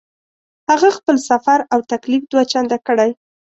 هغه خپل سفر او تکلیف دوه چنده کړی.